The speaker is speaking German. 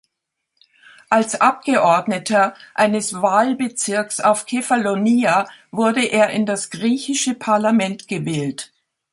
Als Abgeordneter eines Wahlbezirks auf Kefalonia wurde er in das griechische Parlament gewählt.